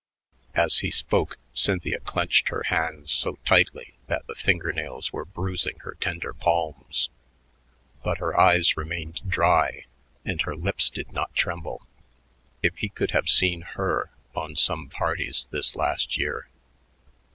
As he spoke, Cynthia clenched her hands so tightly that the finger nails were bruising her tender palms, but her eyes remained dry and her lips did not tremble. If he could have seen her on some parties this last year....